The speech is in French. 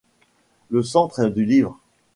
Le centre du livre?